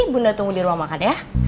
bunda tunggu di rumah makan ya